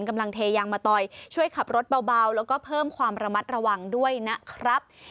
กำลังเทยางมะตอยช่วยขับรถเบาแล้วก็เพิ่มความระมัดระวังด้วยนะครับ